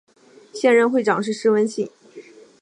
现任会长是施文信。